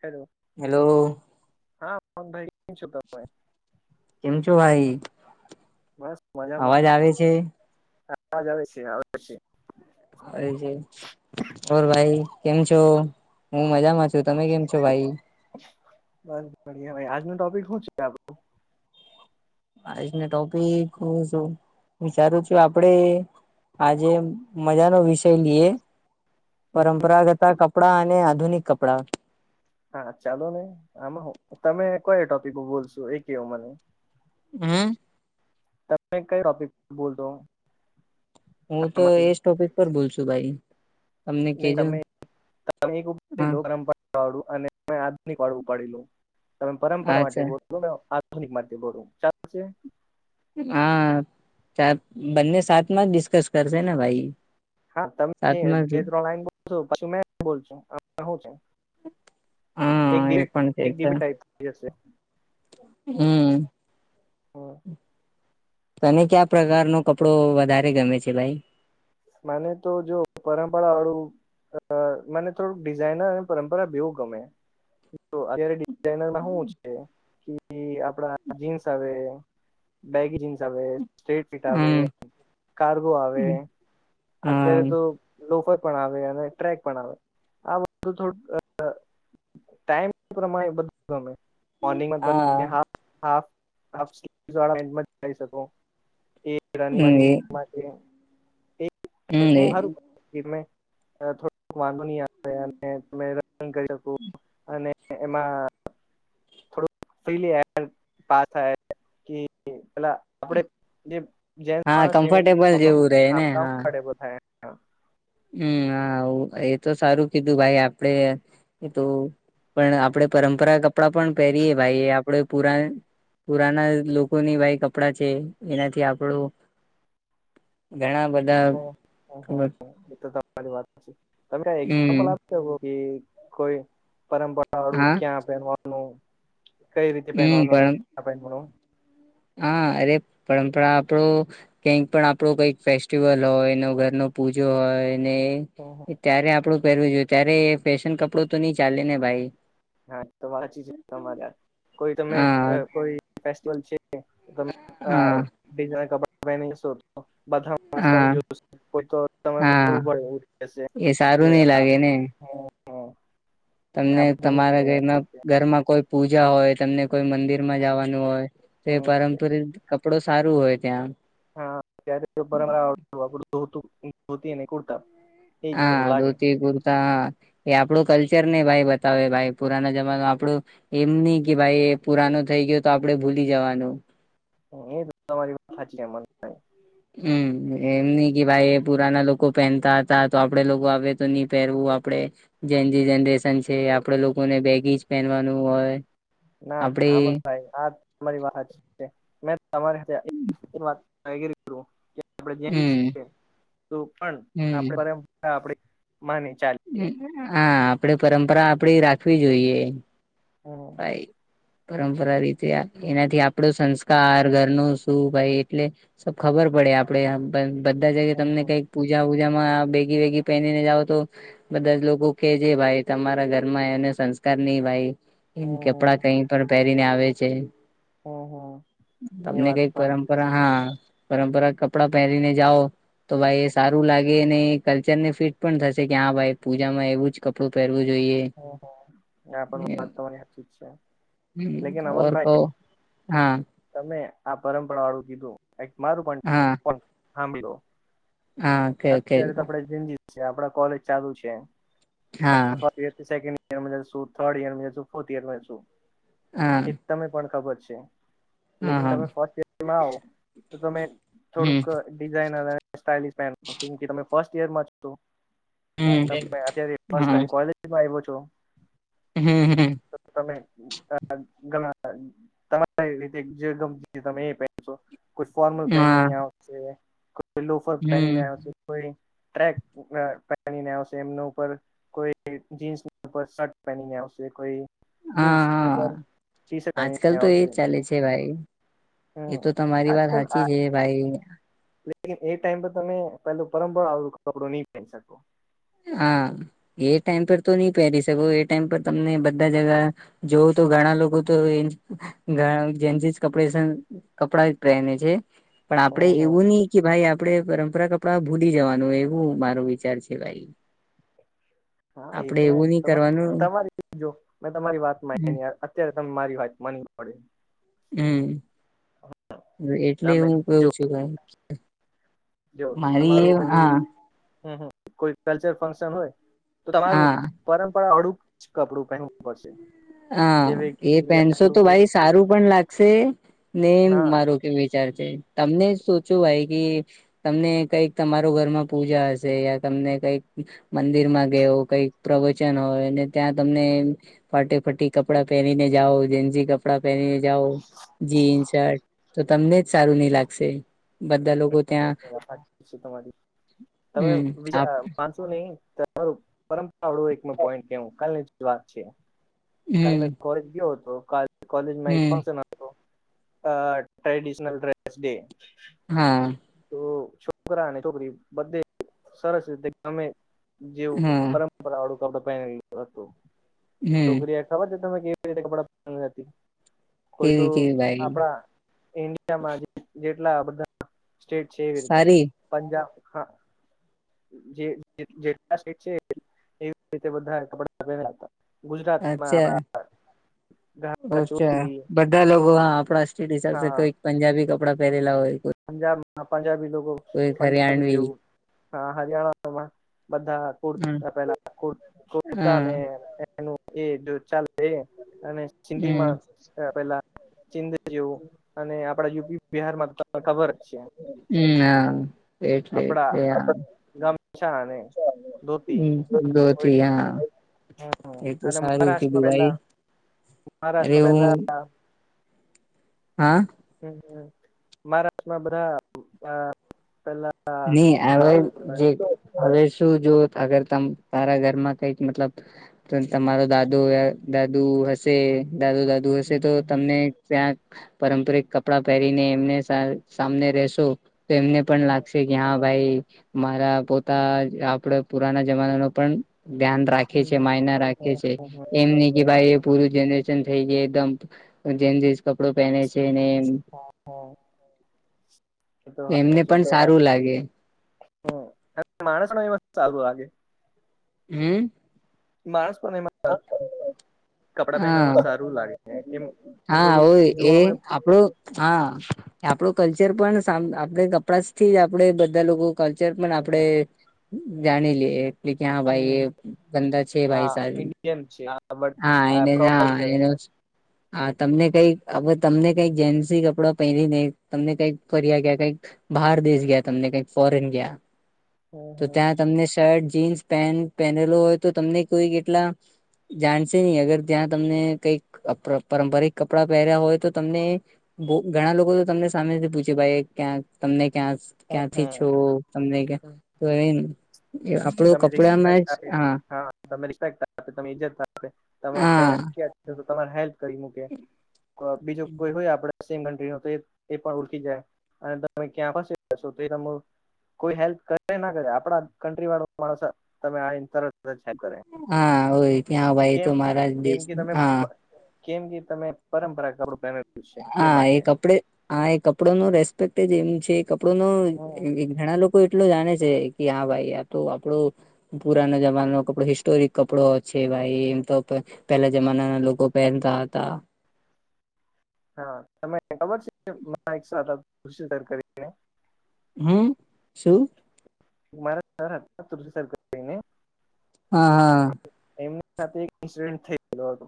Hello hello! હા પણ ભાઈ કેમ છો તમે? કેમ છો ભાઈ? બસ અવાજ મજામાં આવે છે અવાજ આવે છે આવે છે. અરે છે. હોર ભાઈ કેમ છો? હું મજામાં છું તમે કેમ છો ભાઈ? બડીયા બાઈ, આજનું ટોપિક શું છે આપણું? આજનો ટોપિક હુ શું વિચારું છું આપડે આજે મજા નો વિષય લઈએે પરંપરાગત કપડા અને આધુનિક કપડાં હા ચાલોને આમાંહુ તમે કોયો ટોપિક એ બોલશો એ કેયો મને. હમ્મ. તમે કઈ ટોપિક બોલશો. હુંતો એજ ટોપિક પર બોલ શું ભાઈ તમને નહી કેજો તમે ન. તમે એક લઈ હા લો પરંપરા વાળુ અને મેં આધુનિક વાળુ ઉપાડી લો તમે પરંપરા માટે અચ્છા બોલ બોલો આધુનિક માટે બોલુ ચાલછે? હા ચા બંને સાથમાં જ ડિસ્કસ કરશે ને ભાઈ. હા તમે સાથમાં જ બે ત્રણ લાઈન બોલશો, પછી મે બોલશું એવુ શે એક હા એ દીવી પણ એક છે ડીબી ટાઈપ જશે હમ્મ. હમ. તને કયા પ્રકાર નો કપડો વધારે ગમે છે ભાઈ? મને તો જો પરંપરા વાળું અ મને થોડુંક ડિઝાઇનર અને પરંપરા બેઉં ગમે. તો અત્યારે ડિઝાઈઇનર મા હુ છે, કે આપડા જીન્સ આવે. બેગી જીન્સ આવે, સ્ટ્રેટ ફીટ આવે, હમ કાર્ગો આવે. હમ. અત્યારે હા તો લોફર પણ આવે, અને ટ્રેક પણ આવે, આ બધું થોડું અ ટાઈમ પ્રમાણે બધું ગમે મોર્નિંગ મા તમે હા હાફ હાફ જીન્સ વાળા પેન્ટ માં જઈ શકો. તે રનિ હમ વનિંગ એ મા જે હમ ટેકનુ એ હારુ [unintelligible] વાંધો નઈ આવે અને કરી શકું અને એમાં ફ્રિલી એર પાસ થાય કે પેલા આપડે જે જેન્સ હા માણસ માટે સેમ કમ્ફર્ટેબલ પ્રોબ્લેમ જેવું છે રે ને આ કમ્ફર્ટેબલ હમ્મ હા હુ એ તો સારું કીધું ભાઈ આપડે એ તુ પણ આપડણે પરંપરા કપડાં પણ પહેરીએ ભાઈ, આપડે પુરા પુરાના લોકોની વાઈ કપડાં છે, એનાથી આપણું ઘણા બધા ખબર એ તો વાત સાચી, તમે એક્ઝામ્પલ હમ આપ કે કોઈ પરંપરા વાળું હા ક્યાં પહેરવાનું કઈ રીતે હમ પહેનવાનું? અને પણ કયા પહેનવાનું? હા અરે પરંપરા આપડું કઈક પણ આપણો કઈક ફેસ્ટિવલ હોય નવ ઘર નુ પૂજો હોયને હા ત્યારે આપડું પહેરવું જોઈએ ત્યારે એ ફેશન કપડું તો નઈ ચાલે ને ભાઈ. હા તો વાત હાચી તમારે કોઈ તમે હા કોઈ ફેસ્ટિવલ છે તમે આ હા ડિઝાઇન કપડા પહેશો તો બધા ના તમે હા જો કો તો તમારે હા મારવું પડે એવું રહેશે એ કે સારું નઈ આ લાગે ને હા. તમને તમારા ઘરમાં કોઈ પૂજા હોય, તમને કોઈ મંદિર માં જવાનું હોય. તે હમ પારંપારિક કપડું સારું હોય ત્યાં. હા, ત્યારે પરંપરા આપણી આપડું ધોતી અને કુર્તા. એ જ હા સારું લાગે ધોતી કુર્તા એ આપણું કલ્ચર ને ભાઈ બતાવે ભાઈ પુરાના જમાનામાં આપણું એમ નીકે ભાઈ પુરાનો થઈ ગયો તો આપડે ભૂલી જવાનું. એ તમારી વાત સાચી છે હમ્મ એમ નીકે ભાઈ એ પુરાના લોક લોકો પહેનતા હતા તો આપડે લોકો આવે તો નહી પહેરવું આપડે જેન્ઝી જનરેશન છે, આપડે લોકોને બેગીજ પહેનવાનું હોય. ના, આપડે આમ જ થાય આજ. તમારી વાત મેં [inaudible] આપણે જેમ હમ છીએ. તો પણ આપણે આપણું માનીને ચાલીએ. હં હા, આપડે પરંપરા આપડી રાખવી જોઈએ. હમ બાય. પરંપરા રીતે એનાથી આપણો સંસ્કાર ઘરનું શું? ભાઈ એટલે. શું ખબર પડે આપણે બધા જગ્યાએ હમ તમને હમ કંઈક? પૂજા વૂજામાં બેગી વેગી પહેરીને જાઓ તો.... બધા જ લોકો કે છેે. ભાઈ તમારા ઘરમાં એને સંસ્કાર નહીં ભાઈ. એમ હમ કપડાં હમ કંઈ પણ પહેરીને આવે છે. હમ હમ એ તમને વાત કંઈક પણ સાચી છે પરંપરા હા પારંપારિક કપડા પહેરીને જાઓ. તો ભાઈ એ સારું લાગે અને કલ્ચરને ફિટ પણ થશે કે હા, ભાઈ પૂજામાં એવું જ કપડું પહેરવું જોઈએ. હા હા આ પણ વાત તમારી સાચી જ છે. લેકિન ઓર કહો અમનભાઈ હા. તમે આ પરંપરા વાળું કીધુ. કંઈક મારું હા પણ સાંભળી લો. હા કે કે અત્યારે તો આપડે ઝેનઝી જ છે. આપણે કોલેજ ચાલુ છે. હા. આપણા ફર્સ્ટ સેકન્ડ યર માં જશું. થર્ડ યર માં જશું. ફોર્થ યર માં જશું. હા. તમને પણ ખબર છે. હા લેકિન હા તમે ફર્સ્ટ માં આવો તો તમે થોડુંક. હમ ડિઝાઇનર અને સ્ટાઇલિશ થાય. કેમ કે તમે ફર્સ્ટ યર માં છો. હમ તમે અત્યારે ફર્સ્ટ હા ટાઈમ કોલેજમાં આવ્યા છો? હું હું. તોતમે. ઘણા તમારી રીતે જે ગમતી તમે એ પહેરશો. કોઈ ફોર્મલ હા પહેરીને આવશે. કોઈ લોફર પહેરીને હમ આવશે. કોઈ ટ્રેક પહેરીને આવશે. એમના ઉપર કોઈ... જીન્સના ઉપર શર્ટ પહેરીને આવશે. કોઈ... હં હં જીન્સ હા ઉપર ટી શર્ટ આજકાલ પહેરીને તો એજ આવશે ચાલે છે. ભાઈ એ હમ તો તમારી વાત આજકાલ સાચી છે. ભાઈ લેકિન એ ટાઈમ પર તમે એ પહેલું પરંપરાગત કપડું નહીં પહેરી શકો. હા, એ ટાઈમ પર તો નઈ પહેરી શકો. એ ટાઈમ પર તમને બધા જગા જોવ તો ઘણા લોકો તો એ જેનઝી કપડા છે. ને કપડા જ પહેરે છે. પણ આપડે હમ હમ એવું નહીં કે ભાઈ આપડે પરંપરાગત કપડા ભૂલી જવાનું. એવો મારો વિચાર છે. ભાઈ.. હા, એ આપડે તો એવું નહી કરવાનું તમારી જો મેં તમારી વાત માયની. અત્યારે તમારે મારી વાત માનવી પડે. હ.. મ. એટલે તમે હું કવું જો છું. કંઈક જો તમારું પેલું કોઈ કલ્ચરલ ફંક્શન હોય. તો તમારું હા પરંપરા અડુક કપડું પહેન પડશે. હા જેવી કે એ પેન્ટસો તો આપડું ભાઈ સારું પણ લાગશે ને હા મારો વિચાર જે તમને સોચુ ભાઈ કે, તમને કંઈક તમારા ઘરમાં પૂજા હશે યા તમને કંઈક. મંદિરમાં કે એવું કંઈક પ્રવચન હોય ને ત્યાં તમને..... પ્રીટી કપડાં પહેરીને જાઓ. જેન્ઝી કપડાં પહેરીને જાઓ. જીન્સ શર્ટ તો તમને જ સારું નહી લાગશે. બધા લોકો ત્યાં વાત સાચી છે તમારી તમે હમ આપ બીજા પાંચ. નહી તમારું પરંપરાળું એક પોઈન્ટ કે કાલની વાત છે. કા હમ મે કોલેજ ગયો હતો કોલેજમાં એક હમ ફંક્શન અ ટ્રેડિશનલ ડ્રેસ ડે. હા. તો છોકરા ને છોકરી બધે સરસ રીતે ગમે. જેવું હા પરંપરાળું કડ પહે હતું હમ છોકરી ખબર તમે કેવી રીતે કપડા હતી? કોઈ તો કેવી કેવી ભાઈ આપડા ઇન્ડિયામાં જેટલા બધા સ્ટેટ છે એવી રીતે સારી પંજાબ, હા. જે જેલા સ્ટેટ છે એવી રીતે બધા એ કપડા પેરેલા હતા. ગુજરાતમાં આપડા અચ્છા ગા અચ્છા ચોરી બધા લોકો હા આપડા સ્ટ કોઈક પંજાબી કપડાં પહેરેલા હોય પંજાબ હ પંજાબી લોકો કોઈક પંજાબી હરિયાણવી જેવું. હા હરિયાણામાં બધા હમ કુતા પેલા કુર્તાને હમ એનું એ જો ચ અને હમ સિંધીમાં પેલા ચિંદે જેવું અને આપડા યુપી બિહાર માં ખબર જ છે. ના એટલે આપડા કે આમ. ગામછા અને ધોતી હમ્મ, શબદોથી હા એ તો સારું છે દુંબાઈ. મહારાષ્ટ્ર પેલા હા. હ મહારાષ્ટ્રમાં બધા પેલા ની આયોગ શું જે હવે શું જુએ અગર તમ તારા ઘરમાં કઈક મતલબ તો તમારો દાદો દાદુ હશે દાદુ દાદુ હશે તો તમને ક્યાંક પારંપરિક કપડા પહેરીને એમને સામને રસો તો એમને પણ લાગ કે હા ભાઈ મારા પોતા આપડે પુરાના જમાના ના પણ ધ્યાન રાખે છે, માયના રાખે છે. એમ નહી કે ભાઈ પૂરું જનરેશન થઈ ગય એકદમ જેસ કપડો પહેને છે ને એમ હા. એમને પણ સારું લાગે. હા માણસ નસ્ ચાલું આગે. હમ્મ? માણસ પણ નમાં. કપડા હા પહેરવામાં સારું લાગે છે એમ હા થોડુંક હોય એ જોવામ. આપણું હા આપડો કલ્ચર પણ આપે કપડા થી જ આપડે બધા લોક કલ્ચર પણ આપડે જાણી લઈએ. ક્યાં ભાઈ એ ગંદા છે ભાઈ સારી. એમ છે આ હા એને જ પ્રાઉડ હા. કરે હા તમને કઈક હવે તમને કઈક જેન્સી કપડા પહેરી નઈ તમને કઈક ફર્યા ગયા કઈક બહાર દેશ ગયા તમને કઈક ફોરેન ગયા. તો ત્યાં તમને શર્ટ જીન્સ પેન્ટ પહેરેલોું હોય તો તમને કોઈ કેટલા જાણશે નહી અગર ત્યાં તમને કઈક પારંપરિક કપડા પહેર્યા હોય તો તમને ઘણા લોકો તો તમને સામેથી પૂછે ભાઈ ક્યાં તમને ક્યાં ક્યાંથી છો ત તો એ આપણું તમે કપડામાં રિસ્પેક્ટ જ, આપે હા. તમે રિસ્પેક્ટ આપે, તમે ઈજત આપે, તમે હા કઈ [inaudible] તમા હેલ્ કરી મૂકે. બીજો કોઈ હોય આપડ એ પણ ઓળખી જાય અને તમે ક્યાં પાસે જશો તો ત કોઈ હેલ્પ કરે ના કરે આપડા કન્ટ્રી વાળો માણસ તમે તર ચેક કરે. હા હોય ત્યાં ભાઈ કેમ તો મારા જ કેમ દેશ કે તમે હા કેમકે તમે પરંપરા કડું પેહરે હા એ કપડે હા એ કપડો નું રેસ્પેક્ટ જ એમ છે. કપડો ન હા ઘણા લોકો એટલો જાણે છે કે હા ભાઈ આ તો આપડો પુરાનો જમાનો કપડો હિસ્ટોરિક કપડો છે ભાઈ એમ તો પેલા જમાનાના લોકો પહેનતા હતા. હા તને ખબર છે એક કરીને હમ શું. મા તુ સરારને [unintelligible] હા હા એમની સાથે એક ઇન્સિડન્ટ થઈ ગયો હતો.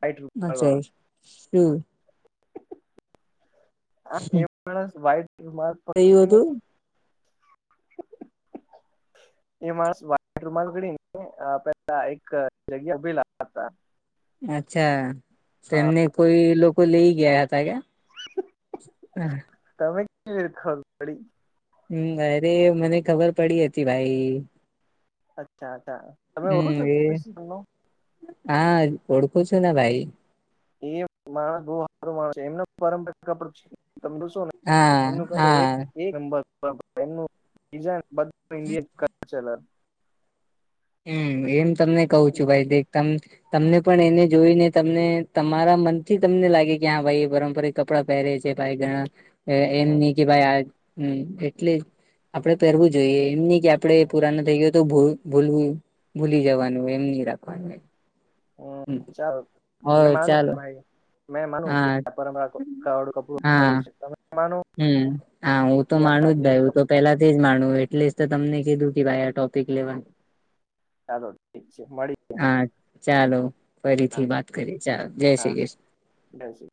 વાઈટ રૂમાલ મજા વાળો શું આ એ માણસ વાઈટ માર્ગ થયું પડીને [inaudible] એ માણસ વાટ રૂમાડી પેલા એક જગ્યાઉભેલા અચ્છા તો હા એમને કોઈ લઈ ગયા હતા ક્યા હ તમે કેખ પડી હમ અરે મને ખબર પડી હતી ભાઈ અચ્છાછા હમ એ હા ઓળખું છું ને ભાઈ એ માણસ બહ સારો માણસ છે એમનું પારંપરિક આપડું છે. તમર શું ને હા એમનું ખ હા નબરમ બ ઇન્ડ [unintelligible] હમ એમ તમને કહું છું ભાઈ એકદમ તમને પણ એને જોઈને તમને તમારા મનથી તમને લાગે કે હા ભાઈ એ પરંપરા-' કપડા પહેરે છે ભાઈ ઘણા એમ નહ કે ભાઈ આ એટલે આપડે પહેરવું જોઈએ એમ નહ કે આપડે પુરાનો થઈ ગયો તો ભૂલવું ભૂલી જવાનું હોય એમ નહી રાખવાનું હ ચાલ હો મે માનું ચાલો ભાઈ મેં માનું હા કેડું કપડું હા સારું છે. માનો હમ હા હું તો કે આ માનું જ ભાઈ જેની હું તો કપડું પેલા જ માણવ એટલે તમને કીધું કે ભાઈ આ ટોપિક લેવાનું ચાલો ઠીક છે મળી હા ચાલો હા ફરીથી વાત કરીએ ચાલો જય શ્રી કૃષ્ણ જસ